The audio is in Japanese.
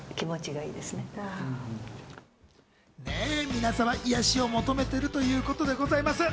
皆様、癒やしを求めているということでございます。